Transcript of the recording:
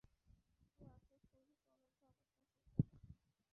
এ অর্থে সূর্য চলন্ত অবস্থায়ই সিজদা করে নেয়।